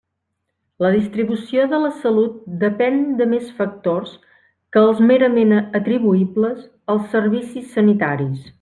La distribució de la salut depén de més factors que els merament atribuïbles als servicis sanitaris.